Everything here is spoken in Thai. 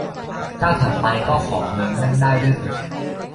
ก้าวถัดไปก็ขอ เมืองนั่งได้ ด้วยเถิด